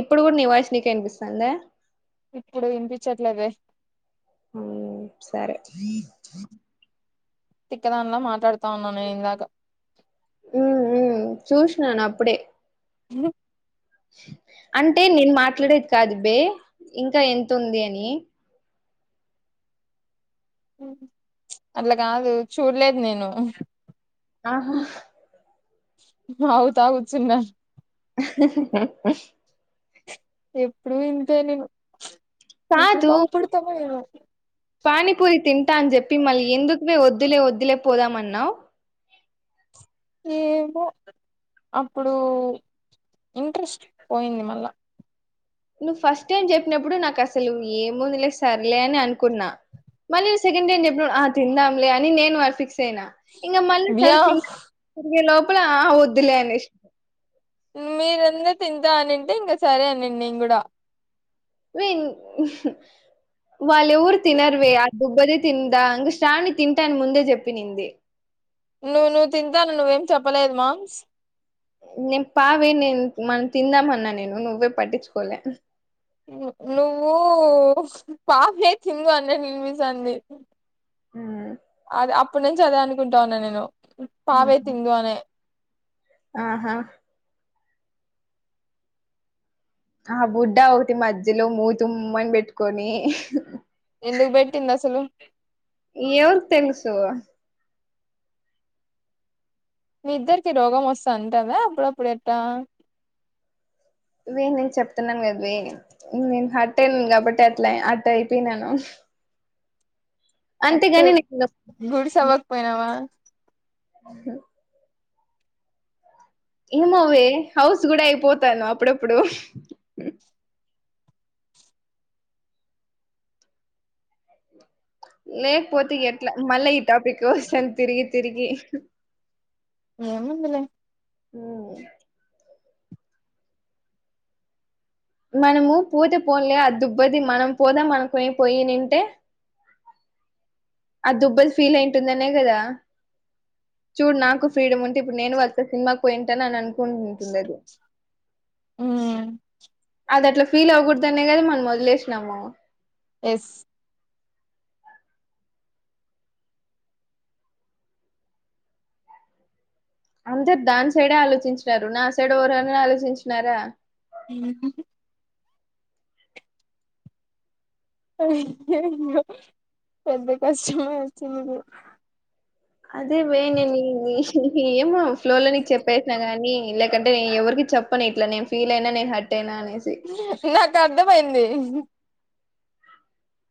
ఇప్పుడు కూడా నీ వాయిస్ నీకే వినిపిస్తాందా ఇప్పుడు వినిపించట్లేదే సరే తిక్కదానిలా మాట్లాడతా ఉన్నాను నేను ఇందాక ఉ ఊ చూసినను అప్పుడే [inaudible] అంటే నేను మాట్లాడేది కాదు బే ఇంకా ఎంత ఉంది అని అట్లా కాదు చూడలేదు నేను ఆహా తాగుతా కూర్చున్న [inaudible] ఎప్పుడు ఇంతే నేను ఎప్పుడు కాదు బాగు పడతామో ఏమో పానీపూరి తింటా అని చెప్పి మళ్ళీ ఎందుకువే వద్దులే వద్దులే పోదామన్నావ్ ఏమో అప్పుడు ఇంట్రెస్ట్ పోయింది మళ్ళ నువ్వు ఫస్ట్ టైం చెప్పినప్పుడు నాకు అసలు ఏముందు లే సర్లే అని అనుకున్నా మల్లి సెకండ్ టైమ్ చెప్పినప్పుడు ఆ తిందాంలే అని నేను వాన్ ఫిక్స్ సేనా ఇంగ మళ్ళీ సరి వ్యా సిం లో మీరంద తింతా అనింటే ఇంకా సరే అనిండు నేను కూడా వే వాళ్ళ ఎవరు తినరువే ఆ దుబ్బది తిందా ఇంకా శావణి తింటాని ముందే చెప్పినింది నువ్వు నువ్వు తింతాను అని నువ్వేం చెప్పలేదు మామ్స్ నేను పావే నేను మనం తిందామన్నా నేను నువ్వే పట్టించుకోలే నువ్వు పాపే తిందు అన్న వినిపిస్ తాంది అదే అప్పటి నుంచి అదే అనుకుంటా ఉన్నా నేను పావే తిందు అనే ఆహా ఆ బుడ్డ ఒకతి మధ్యలో మూతి ఉమ్ అని పెట్టుకొని ఎందుకు బెట్టింది అసలు ఎవర్ తెలుసు మీ ఇద్దరికి రోగం వస్తా అంటాదా అప్పుడప్పుడు ఎట్ట వే నేను చెప్తున్నాను కదవే నేను హట్ అయినాను కాబట్టే అట్ల అట్ట అయిపోయినాను హట్టు అంతేగాని నేను గుడిస్ అవ్వకపోయినావా హ్మ్ ఏమోవే హౌస్ కూడా అయిపోతాను అప్పుడప్పుడు లేకపోతే ఎట్లా మళ్ళ ఈ టాపిక్ కోస్తాను తిరిగి తిరిగి ఏముందిలె ఊమ్ మనము పోతే పోన్లే ఆ దుబ్బది మనం పోదాం అనుకుని పోయినింటె [inaudible] ఆ దొబ్బది ఫీల్ అయింటుందనే కద చూడు నాకు ఫ్రీడమ్ ఉంటె ఇప్పుడు నేను అత్త సినిమాకు పోయిఉంట అని అను కుంటుంది అది ఉమ్ అది అట్ల ఫీల్ అవకూడదనే కద మనం వదిలేషినము ఎస్ అందరు దాని సైడే ఆలోచించినారు నా సైడ్ ఎవరన్న ఆలోచించినార ఉమ్ ఉహు అయ్యయ్యో పెద్ద కష్టమే వచ్చింది అదే వే నేన్ చేషిన్ ఏమో ఫ్లో లో నీకు చెప్పేసిన గాని లేకంటే నే ఎవరికి చెప్పను ఇట్ల నేను ఫీల్ అయిన నేను హార్ట్ అయిన అని నాకు అర్థమయింది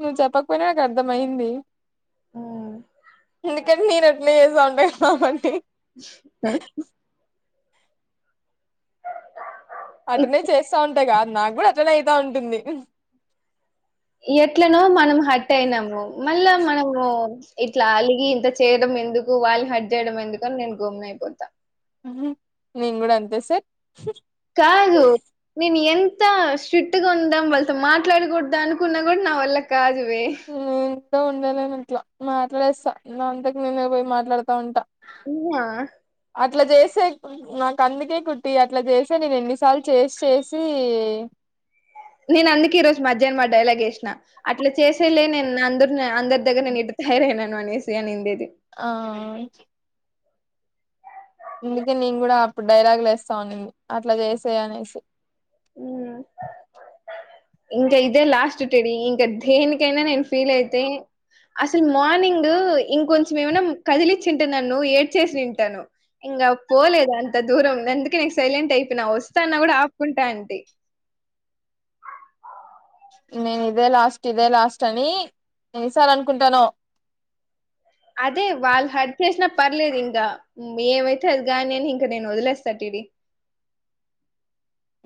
నువ్వు చెప్పకపోయిన నాకు అర్థం అయింది ఎందుకంటె నేను ఎట్నే చేస్త ఉంట కాబట్టి ఆమ్ అటనే చేస్తా ఉంటా గ నాకు కూడ అటనే అయితా ఉంటుంది ఎట్లనో మనం హట్ అయినాము మళ్ళా మనము ఇట్ల అలిగి ఇంత చేయడం ఎందుకు వాళ్ళని హార్ట్ చేయడం ఎందుకు అని నేను గమ్మున అయిపోత ఉమ్ నేన్ కూడ అంతే సర్ కాదు నేన్ ఎంత్ త స్ట్రిట్ గా ఉందాం వాళ్ళతో మాట్లాడకూడదనుకున్నా కూడ నా వల్ల కాదు వే హ్ త ఉండలే నట్ల మాట్లేస్త నా అంతకి నేను పోయి మాట్లాడుతా ఉంట ఉమ్మ్ నా అట్ల చేస్తే నాకు అందుకే కుట్టి అట్ల చేసే నేను ఎన్నిసార్లు చేసి చేసీ నేను అందుకే ఈ రోజు మధ్యాహ్నం మా డైలాగ్ ఏషిన అట్ల చేసేలే నేను అందరు అందరి దగ్గర నేను ఇట్ట తయారైనాను అనేసి అనిండేది ఆ అందుకే నేన్ గూడ అప్పుడు డైలాగులేస్తావునింది అట్ల చేస్తది అనేసి ఊమ్ ఇంక ఇదే లాస్ట్ టెడి ఇంక దేనికైన నేను ఫీలైతే అసలు మార్నింగ్ ఇంకొంచం ఏమైన కదిలిచ్చుంటే నన్ను ఏడ్చేసుంటాను ఇంక పోలేదు అంత దూరం గందుకే నేన్ సైలెంట్ అయిపోయిన ఒస్తా అన్న కూడ ఆపుకుంటాంది నేను ఇదే లాస్ట్ ఇదే లాస్ట్ అని ఎన్ని సార్లు అనుకుంటనో అదే వాళ్ళు హట్ చేసినా పర్లేదింక ఏమైతే అదిగాని అని ఇంక నేను వదిలేస్త టిడి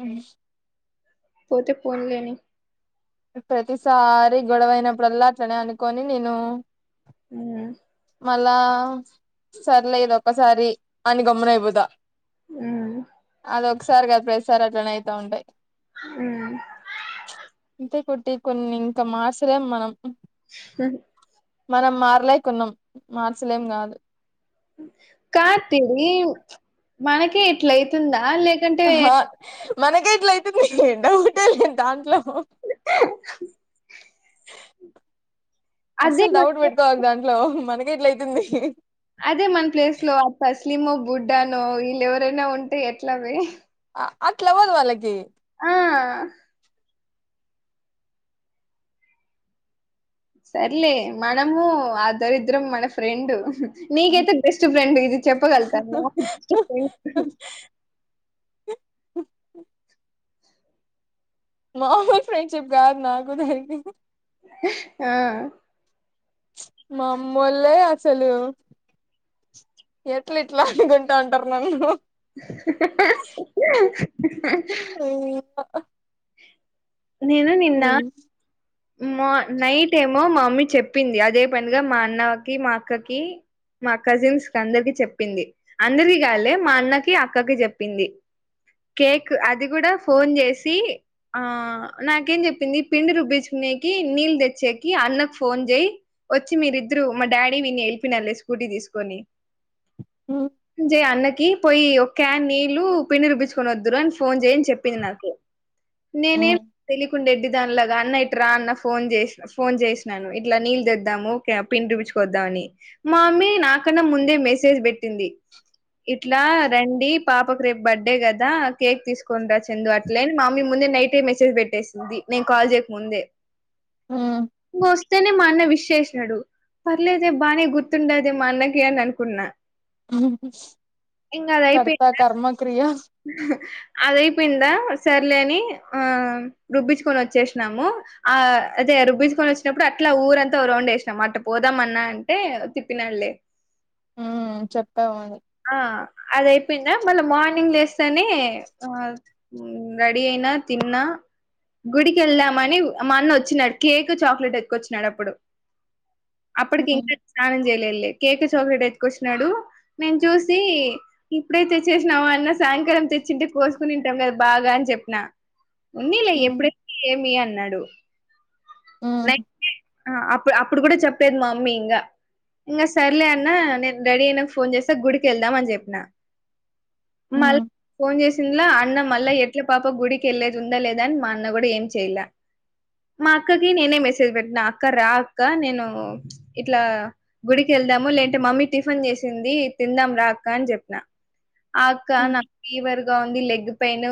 ఉమ్ పోతే పోన్లేని ప్రతిసారి గొడవైనప్పుడుల్ల అట్లనే అనుకోని నేను ఉమ్మ్ మళ్ళా సర్లే ఇదొక్క సారి అని గమ్మున అయిపోత హ్మ్ అదొకసారి కాదు ప్రతిసారి అట్లనే అయితా ఉంటయి ఉమ్ అంతే కుట్టి కొన్ని ఇంక మార్సలేం మనం [unintelligible] మనం మార్లేకున్నాం మార్చలేం కాదు కాద్ తీరి మనకే ఇట్లైతుందా అ లేకంటే ఆహా మనకే ఇట్లయితుంది డౌటే లేదాంట్లో అదే అస్సలు మన డౌట్ ప్లేస్ పెట్టుకోవద్దు దాంట్లో మనకే ఇట్లా అయితుంది అదే మన ప్లేస్ లో ఆ తస్లిమో బుడ్డానో ఈళ్ళేవరైనా ఉంటే ఎట్లవే అట్లవ్వదు వాళ్ళకి ఆ సర్లే మనము ఆ దరిద్రం మన ఫ్రెండు నీకైతే బెస్ట్ ఫ్రెండ్ ఇది చెప్పగలుగుతాను [unintelligible] మామూల్ ఫ్రెండ్షిప్ కాదు నాకు దానికి ఆ మమ్మోలే అసలు ఎట్ల ఇట్ల అనుకుంటా ఉంటారు నన్ను [unintelligible] నేను నిన్న హ్మ్. మా నైట్ ఏమో మా మమ్మీ చెప్పింది అదే పనిగా మా అన్నకి మా అక్కకి మా కజిన్స్కందరికి చెప్పింది అందరికి కాదులే మా అన్నకి అక్కకి చెప్పింది కేక్ అది కూడా ఫోన్ చేసి ఆ నాకేం చెప్పింది పిండి రుబ్బించుకునేకి నీళ్ తెచ్చేకి అన్నకు ఫోన్ చేయ్ వచ్చి మీరి ద్దురు మా డాడీ విని వెలిపోయినలే స్కూటీ తీసుకొని హ్మ్. జై అన్నకి పోయి ఓ క్యానీళ్ళు పిండి రుబ్బింపించుకొని వద్దురు అని ఫోన్ చేయ్ అని చెప్పింది నాకు నేనే హ్మ్. తెలికుండ ఎడ్డీ దాని లాగా అన్న ఇట్రా అన్న ఫోన్ చేస్ ఫోన్ చేసినాను ఇట్లా నీళ్లు తెద్దాము ఓకే పిండి రుబ్బింపించుకొద్దామని మా అమ్మీ నాకన్నా ముందే మెసేజ్ పెట్టింది ఇట్లా రండి పాపకు రేపు బర్త్డే కదా కేక్ తీసుకొని రా చెందు అట్లేని మా మీ ముందే నైటే మెసేజ్ పెట్టేసింది నేను కాల్ చేయక ముందే హ్మ్. ఇంకొస్తేనే మా అన్న విష్ చేసినాడు పర్లేదే బానే గుర్తుండాదే మా అన్నకి అని అనుకున్నా ఇంగ అది అయిపోయి కర్త కర్మ క్రియా అదయిపోయింద సర్లేని ఆ రుబ్బించుకొని వచ్చేసినాము ఆ అయితే రుబ్బించుకొని వచ్చినప్పుడు అట్లా ఊరంతా ఓ రౌండ్ వేసినాం అట్ట పోదాం అన్నా అంటే తిప్పినాళ్లే హ్మ్ చెప్పావు అది ఆ అదైపోయిందా మళ్ళ మార్నింగ్ లేసి స్తానే ఆ రెడీ అయినా తిన్నా గుడికి వెళ్దామని మా అన్న వచ్చినాడు కేక్ చాక్లెట్ ఎత్తుకొచ్చినాడు అప్పుడు అప్పటికి హ్మ్ ఇంకా స్నానం చేయ్ లెలె కేక్ చాక్లెట్ ఎతుకొచ్చినాడు నేను చూసి ఇప్పుది తేచ్చేసినవా అన్న సాయంకాలం తెచ్చింటే కోసుకుని తింటాం కదా బాగా అని చెప్పిన ఉన్నిలే హ్మ్ ఎప్పుడైతే ఏమి అన్ న్నడు హ్మ్ అప్పుడు అప్పుడు కూడా చెప్పలేదు మా మమ్మీ ఇంకా ఇంగ సర్లే అన్నా నేను రెడీ అయినక ఫోన్ చేస్తా గుడికి వెళ్దామని చెప్పిన మళ్ళ హ్మ్ ఫోన్ చేసి తిన్ల అన్న మళ్ళా ఎట్ల పాప గుడికి వెళ్ళది ఉందా లేదని మా అన్న కూడా ఏం చెయల మా అక్కకి నేనే మెసేజ్ పెట్టిన అక్క రా అక్క నేను ఇట్లా గుడికి వెళ్దాము లేంటే మమ్మీ టిఫిన్ చేసింది తిందాం రాక్క అని చెప్పిన అక్క హ్మ్ నాక్ ఫీవర్గ ఉంది లెగిత్ పెను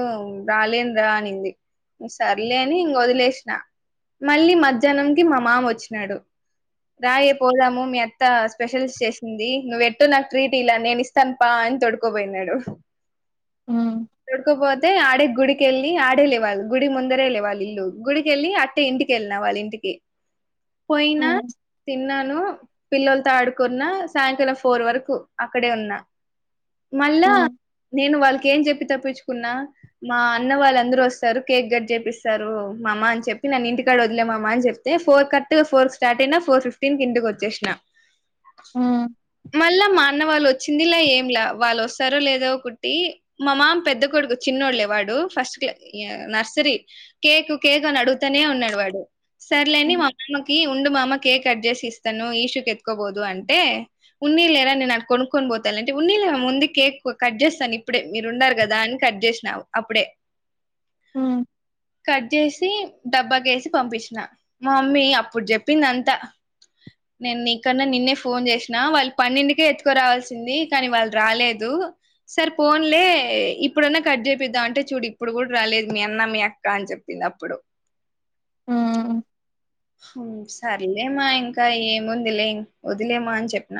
రాలేన్రా అనింది సర్లే అని ఇంగ వదిలేసిన మళ్ళీ మధ్యాహ్నం కి మా మామ వచ్చినాడు రాయే పోదాము మీ అత్త స్పెషలిస్ చేసింది నువ్ ఎట్టో నాకు ట్రీట్ ఇయాల నేనిస్తాను పా తొడుకోబోయినాడు హ్మ్ తొడుకోపోత్ తే ఆడే గుడికెళ్ళి ఆడే లేవాలి గుడి ముందరే లేవాలి ఇల్లు గుడికెళ్ళి అట్టే ఇంటికెళ్ళిన వాళ్ళ ఇంటికి పోయినా హ్మ్ తిన్నను పిల్లల్తో ఆడుకున్న సాయంకాలం ఫోర్ వరకు అక్కడే ఉన్నా మళ్ళా హ్మ్. నేను వాళ్ళకి ఏం చెప్పి తప్పించుకున్నా మా అన్న వాళ్ళు అందరూ వస్తారు కేక్ గట్ చేపిస్తారు ఓ మమా అని చెప్పి నన్నింటికాడ వదిలేమమా అని చెప్తే ఫోర్ కరక్ట్గా ఫోర్ క స్టార్ట్ అయినా ఫోర్ ఫిఫ్టీన్ కి ఇంటికి వచ్చేసినా అది మళ్ళా మా అన్నవాళ్ళు వచ్చిందిలా ఏంలా వాళ్ళు వస్తారో లే దో కుట్టి మా మామ్ పెద్ద కొడుకు చిన్నోళ్లే వాడు ఫస్ట్ క్లా య్ నర్సరీ కే కు కేకు అడుగుతనే ఉన్నాడు వాడు సర్లేని మ మామ కి ఉండు మామ కేక్ కడ్జసి ఇస్తాను ఈషూ కెత్కోబోదు అంటే ఉన్నీలేరా నేను అటు కొనుకొని పోతా అంటే ఉన్నీళ్ ముందు కేక్ కట్ చేస్తాను ఇప్పుడే మీరు ఉండారు కదా అని కట్ చేసినా అప్పుడే కట్ జేసి డబ్బాకేసి పంపిచ్చినా మా మమ్మీ అప్పుడు చెప్పింది అంతా నేను నీకన్నా నిన్నే ఫోన్ చేసిన వాళ్ళు పన్నిండుకే ఎత్తుకురావాల్సింది కానీ వాళ్ళు రాలేదు సారె పోన్లే ఇప్పుడన్నా కట్ జేపిద్దాం అంటే చూడు ఇప్పుడు కూడా రాలేదు మీ అన్న మీ అక్క అని చెప్ ప్పింది అప్పుడు మ్ హ్మ్ సర్లేమా ఇంకా ఏముంది లే వదిలేమా అని చెప్పిన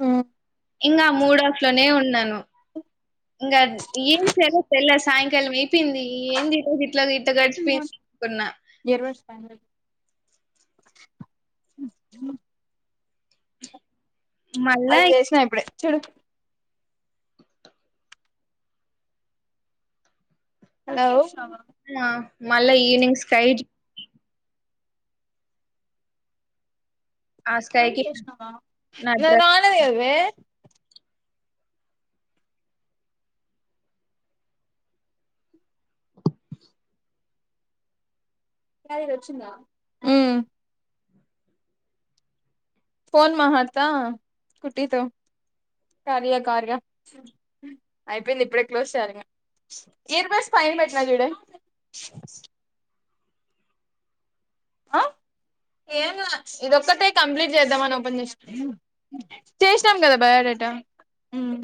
మ్ ఇంగా మూడాఫ్ లోనే ఉన్నాను ఇంగ ఏం చేయాలో తెల్లా సాయంకాలం అయిపోయింది ఏం ఈరోజు ఇట్లా తి ట్ట గడిచిపో [inaudible] కున్న [inaudible] మళ్ళా అల్ చేసినా ఇప్పుడే చుడు హలో మా మళ్ళా ఈనింగ్స్కైడ్ ఆ మళ్ళి స్కైకి చెస్నావా నా నే డ్రెస్ నాలు ఏవ్వే [inaudible] హరిదొచ్చిందా మ్ ఫోన్ మహాటత కుట్టి తో కార్య కార్య అయిపోయింది ఇప్పుడే క్లోజ్ చేయాలింగ ఇయర్ బడ్స్ పైన పెట్టినా జూడే అ ఏంలా ఇదొక్కటే కంప్లీట్ చేద్దామని ఓపెన్ చేస్ చేసినాం కదా బయాడ్ ట మ్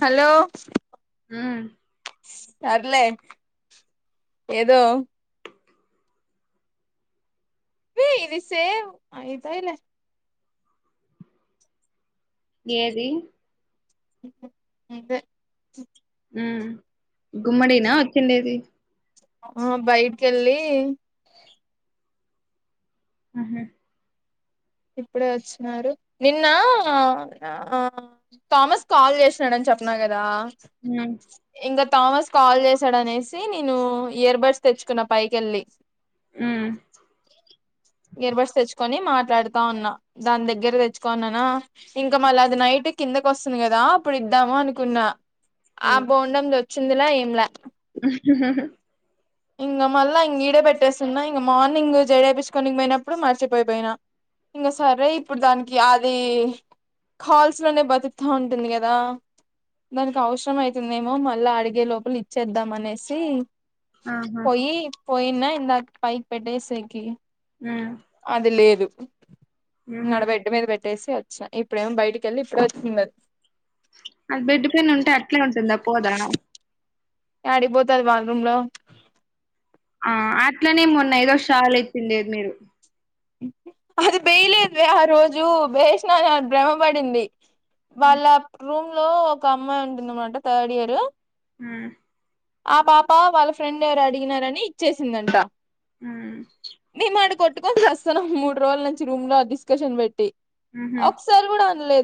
హలో మ్ సర్లే ఏదో వే ఇది సేవ్ అయితాయిలె ఏది? నువ్వే మ్ గుమ్మడీనా వచ్చిండేది. ఆ బైట్కెళ్ళీ అహ ఇప్పుడే వచ్చినారు. నిన్నా ఆ థామస్ కాల్ చేసినాడన్ చె చెప్నా కదా ఇంగ థామస్ కాల్ చేసాడనేసి నేను ఇయర్ బర్డ్స్ తెచ్చుకున్న పైకెళ్ళి మ్ ఇయర్ బర్డ్స్ తెచ్చుకొని మాట్లాడ్ దాన్నా దాన్ దగ్గర తెచ్చుకో అన్ననా ఇంకా మళ్ళ అది నైట్ కిందకొస్తుంది గదా అప్పుడ్ ఇద్దా ము అనుకున్నా ఆ బోండంద్ వచ్చిందిల ఏంలా [inaudible] ఇంగ మళ్ళ ఇంగీడే పెట్టేస్తున్నా ఇంగ మార్నింగ్ జడేపిచ్కోనిక్ పోయినప్పుడు మర్చిపోయి పోయినా ఇంగ సరే ఇప్పుడు దానికి అదీ కాల్స్లోనే బతుకుతా ఉంటుంది గదా దానిక్ అవసరం అయితుందేమో మళ్ళా అడిగే లోపల్ ఇచ్చేద్దాం అనేసి ఆహా పోయి పోయిన్న ఇందాక్ పైక్ పెట్టేసేకీ అది లేదు నే మ్మ్ ఆడ బెడ్ మీద పె ట్టేసి వచ్చా ఇప్పుడేమో బయటికెళ్ళి ఇప్పుడే వచ్చింద అద్ బెడ్ పైనుంటే అట్లే ఉంటుందా పోదా? యాడిక్ పోతది బాత్రూమ్లో ఆ అట్లనే మొన్న ఐదో షాల్ ఎక్కిందే మీరు అది బేయలేదువే ఆ రోజు బేసిన అన్ అద్ భ్రమ పడింది. మ్మ్ వాళ్ళ రూమ్లో ఒక అమ్మాయి ఉంటుందన్మాట థర్డ్ ఇయర్ ఆ ఆ పాప వాళ్ళ ఫ్రెండ్ ఎవరో అడిగినారని ఇచ్చేసిందంట. మ్ కొట్టుకోన్ సస్తన్నం మూడ్ రోజుల్నుంచి రూమ్లో ఆ డిస్కషన్ పెట్టి మ్మ్ ఒక్సార్ గుడా అన్లే